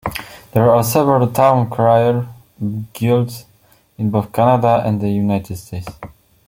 There are several town crier guilds in both Canada and the United States.